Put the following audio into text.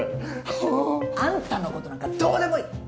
はぁ。あんたのことなんかどうでもいい！